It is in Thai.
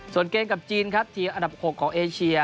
ส่วนเกมกับจีนครับทีมอันดับ๖ของเอเชีย